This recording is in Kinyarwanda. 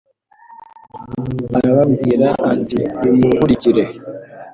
Arababwira ati : "Nimunkurikire."